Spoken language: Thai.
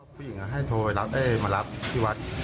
ผู้หญิงให้โทรไปรับมารับที่วัด